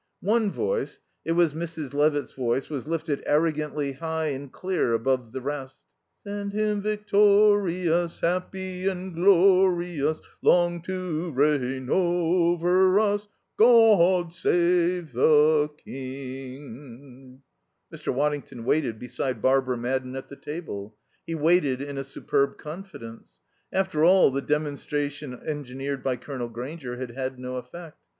One voice it was Mrs. Levitt's voice was lifted arrogantly high and clear above the rest. "Send him vic torious, Hap py and glorious. Long to oo rei eign overious Gaw aw awd Save ther King." Mr. Waddington waited beside Barbara Madden at the table; he waited in a superb confidence. After all, the demonstration engineered by Colonel Grainger had had no effect.